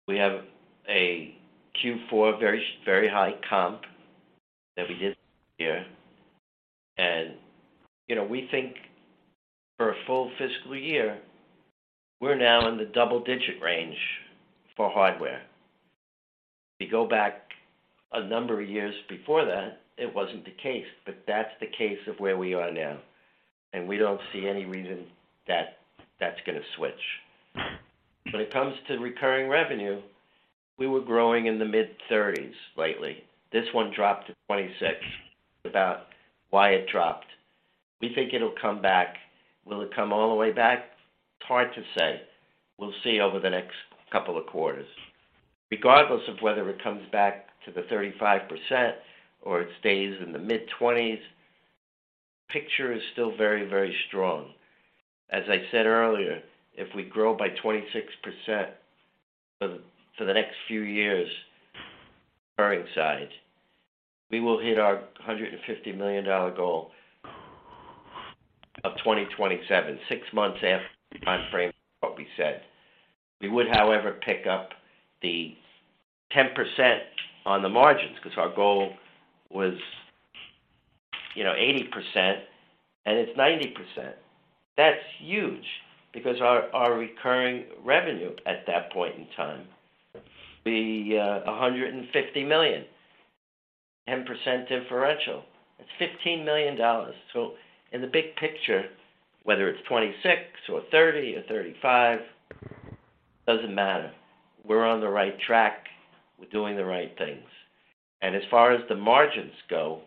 We have a Q4 very high comp that we did here. You know, we think for a full fiscal year, we're now in the double-digit range for hardware. We go back a number of years before that, it wasn't the case, but that's the case of where we are now, and we don't see any reason that that's gonna switch. When it comes to recurring revenue, we were growing in the mid-thirties lately. This one dropped to 26%. About why it dropped, we think it'll come back. Will it come all the way back? It's hard to say. We'll see over the next couple of quarters. Regardless of whether it comes back to the 35% or it stays in the mid-twenties, picture is still very, very strong. As I said earlier, if we grow by 26% for the next few years, recurring side, we will hit our $150 million goal of 2027, 6 months after the time frame of what we said. We would, however, pick up the 10% on the margins because our goal was, you know, 80% and it's 90%. That's huge because our recurring revenue at that point in time will be $150 million. 10% differential, that's $15 million. In the big picture, whether it's 26 or 30 or 35, doesn't matter. We're on the right track. We're doing the right things. As far as the margins go,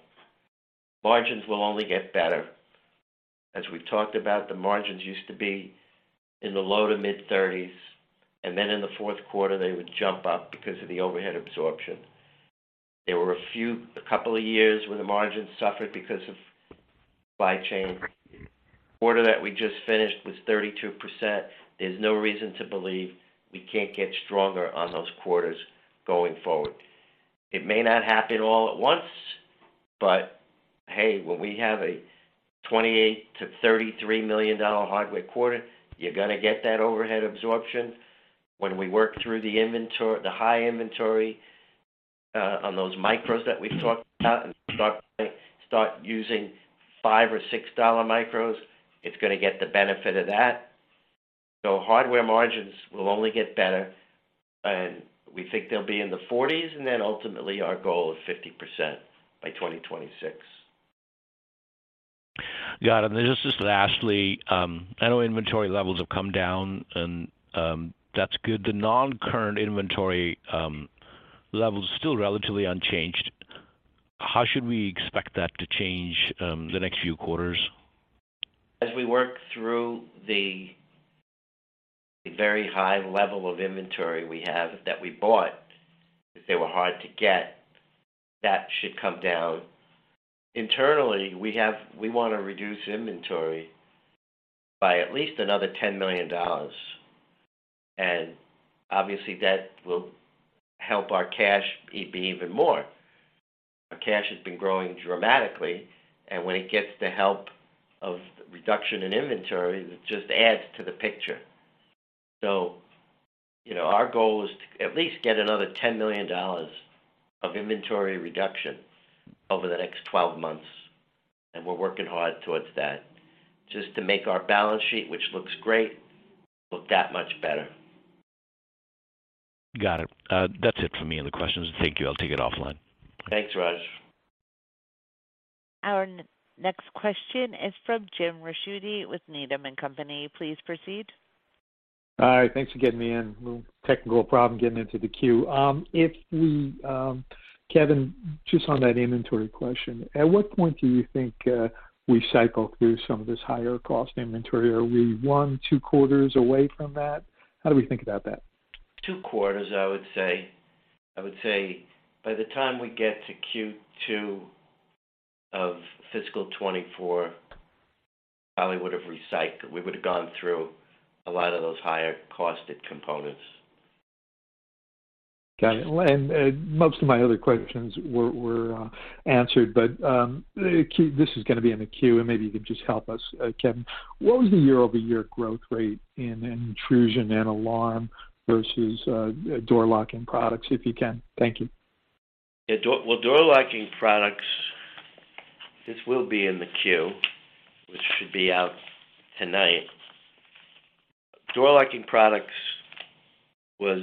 margins will only get better. As we've talked about, the margins used to be in the low- to mid-30s, and then in the fourth quarter, they would jump up because of the overhead absorption. There were a couple of years where the margins suffered because of supply chain. The quarter that we just finished was 32%. There's no reason to believe we can't get stronger on those quarters going forward. It may not happen all at once, but hey, when we have a $28 million-$33 million hardware quarter, you're gonna get that overhead absorption. When we work through the high inventory on those micros that we've talked about and start using $5 or $6 micros, it's gonna get the benefit of that. Hardware margins will only get better, and we think they'll be in the 40s, and then ultimately our goal is 50% by 2026. Got it. Just lastly, I know inventory levels have come down and that's good. The non-current inventory level is still relatively unchanged. How should we expect that to change the next few quarters? As we work through the very high level of inventory we have that we bought, because they were hard to get, that should come down. Internally, we wanna reduce inventory by at least another $10 million, obviously that will help our cash be even more. Our cash has been growing dramatically, when it gets the help of reduction in inventory, it just adds to the picture. You know, our goal is to at least get another $10 million of inventory reduction over the next 12 months, we're working hard towards that just to make our balance sheet, which looks great, look that much better. Got it. That's it for me in the questions. Thank you. I'll take it offline. Thanks, Raj. Our next question is from James Ricchiuti with Needham & Company. Please proceed. Hi. Thanks for getting me in. Little technical problem getting into the queue. If we, Kevin, just on that inventory question, at what point do you think, we cycle through some of this higher cost inventory? Are we one, two quarters away from that? How do we think about that? Two quarters, I would say. I would say by the time we get to Q2 of fiscal 2024, probably would have recycled. We would have gone through a lot of those higher-costed components. Got it. Most of my other questions were answered, but this is gonna be in the queue, and maybe you can just help us, Kevin, what was the year-over-year growth rate in intrusion and alarm versus door locking products, if you can? Thank you. Yeah. Well, door locking products. This will be in the Q, which should be out tonight. Door locking products was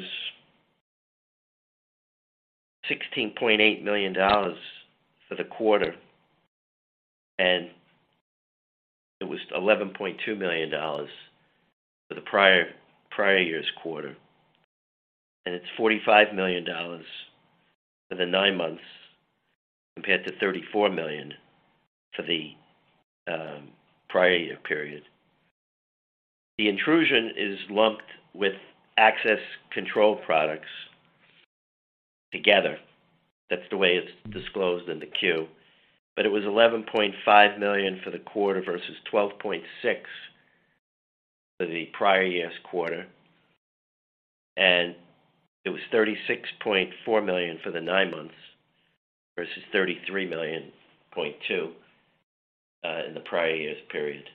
$16.8 million for the quarter, and it was $11.2 million for the prior year's quarter. It's $45 million for the nine months, compared to $34 million for the prior year period. The intrusion is lumped with access control products together. That's the way it's disclosed in the Q. It was $11.5 million for the quarter versus $12.6 million for the prior year's quarter. It was $36.4 million for the 9 months versus $33.2 million in the prior year's period.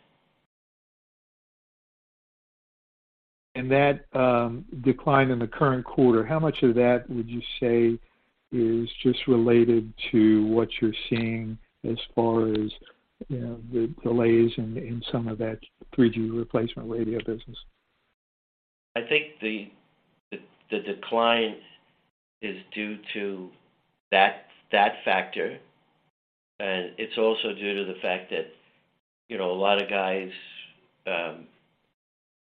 That, decline in the current quarter, how much of that would you say is just related to what you're seeing as far as, you know, the delays in some of that 3G replacement radio business? I think the decline is due to that factor, and it's also due to the fact that, you know, a lot of guys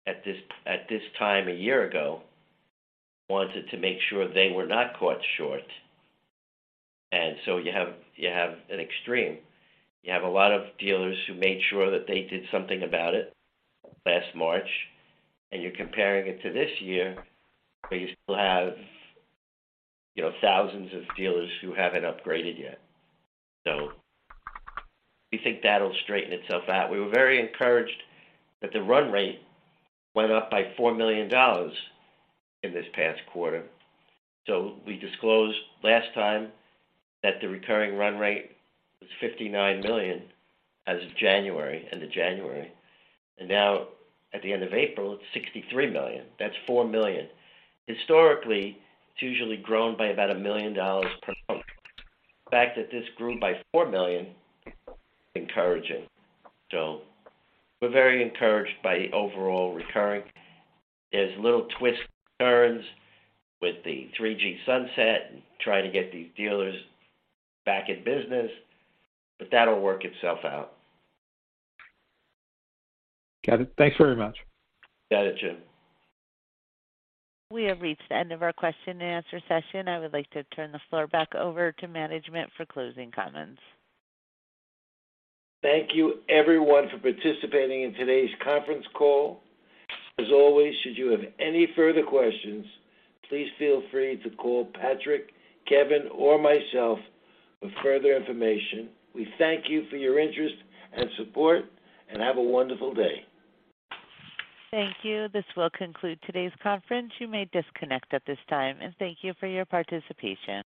at this time a year ago wanted to make sure they were not caught short. You have an extreme. You have a lot of dealers who made sure that they did something about it last March, and you're comparing it to this year, where you still have, you know, thousands of dealers who haven't upgraded yet. We think that'll straighten itself out. We were very encouraged that the run rate went up by $4 million in this past quarter. We disclosed last time that the recurring run rate was $59 million as of January, end of January. Now at the end of April, it's $63 million. That's $4 million. Historically, it's usually grown by about $1 million per month. The fact that this grew by $4 million is encouraging. We're very encouraged by the overall recurring. There's little twists and turns with the 3G sunset and trying to get these dealers back in business, but that'll work itself out. Got it. Thanks very much. Got it, Jim. We have reached the end of our question and answer session. I would like to turn the floor back over to management for closing comments. Thank you everyone for participating in today's conference call. As always, should you have any further questions, please feel free to call Patrick, Kevin or myself for further information. We thank you for your interest and support and have a wonderful day. Thank you. This will conclude today's conference. You may disconnect at this time and thank you for your participation.